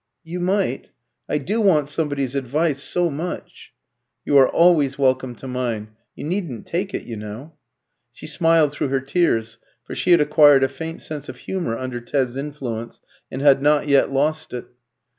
"You might. I do want somebody's advice so much." "You are always welcome to mine. You needn't take it, you know." She smiled through her tears, for she had acquired a faint sense of humour under Ted's influence, and had not yet lost it.